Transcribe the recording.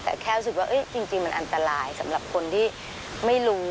แต่แค่รู้สึกว่าจริงมันอันตรายสำหรับคนที่ไม่รู้